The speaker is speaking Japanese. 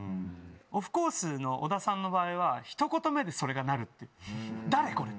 オフコースの小田さんの場合はひと言目でそれがなるっていう。